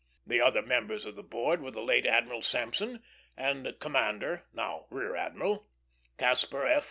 The other members of the board were the late Admiral Sampson, and Commander now Rear Admiral Caspar F.